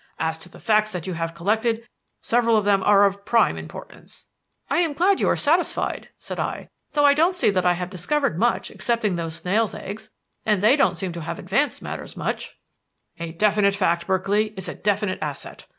As to the facts that you have collected, several of them are of prime importance." "I am glad you are satisfied," said I, "though I don't see that I have discovered much excepting those snail's eggs; and they don't seem to have advanced matters very much." "A definite fact, Berkeley, is a definite asset.